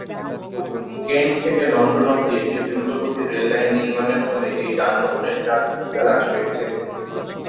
Kent থেকে London অবধি একটি দ্রুত গতির রেললাইন নির্মাণের ফলে এই যানবাহনের চাপ কিছুটা হ্রাস পেয়েছে।